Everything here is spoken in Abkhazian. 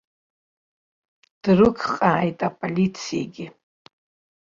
Дрықәҟааит аполицаигьы.